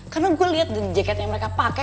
karena saya melihat jaket yang mereka pakai